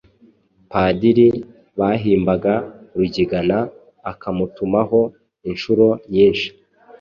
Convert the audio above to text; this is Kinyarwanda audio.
Padiri bahimbaga Rugigana akamutumaho inshuro nyinshi